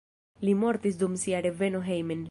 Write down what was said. Li mortis dum sia reveno hejmen.